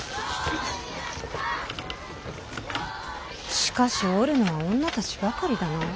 しかしおるのは女たちばかりだな。